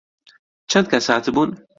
چەند کەس هاتبوون؟